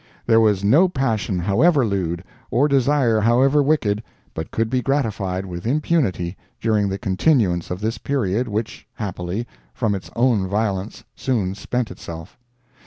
There was no passion however lewd, or desire however wicked, but could be gratified with impunity during the continuance of this period which, happily, from its own violence soon spent itself.